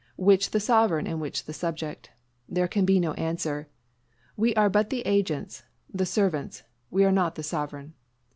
which the sovereign and which the subject? There can be no answer. We are but the agents the servants. We are not the sovereign.